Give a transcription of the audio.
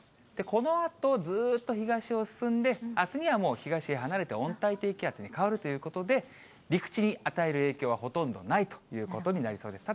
このあと、ずーっと東を進んで、あすにはもう東へ離れて温帯低気圧に変わるということで、陸地に与える影響はほとんどないということになりそうです。